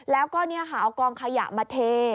แล้วก็เนี่ยหาเอากองขยะมาเท